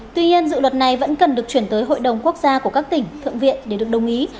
tuy nhiên dự luật này vẫn cần được chuyển tới hội đồng quốc gia của các tỉnh thượng viện để được đồng ý